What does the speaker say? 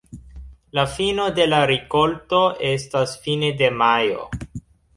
La fino de la rikolto estas fine de majo.